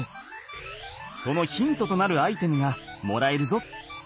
そのヒントとなるアイテムがもらえるぞ。